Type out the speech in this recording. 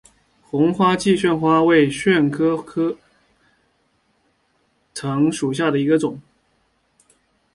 红花姬旋花为旋花科菜栾藤属下的一个种。